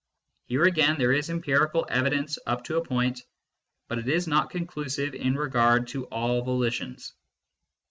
Here again, there is empirical evidence up to a point, but it is not conclusive in regard to all volitions.